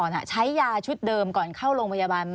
ใช้ยาชุดเดิมก่อนเข้าโรงพยาบาล